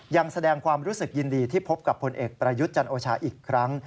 ยังแสดงความรู้สึกยินดีที่พบกับผลเอกประยุทธ์จันโอชาอีกครั้ง